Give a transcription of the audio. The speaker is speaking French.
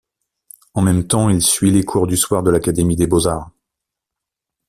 En même temps il suit les cours du soir de l'Académie des beaux-arts.